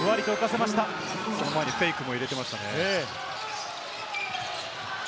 その前にフェイクも入れていましたね。